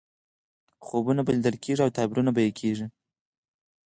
خوبونه به لیدل کېږي او تعبیر به یې کېږي.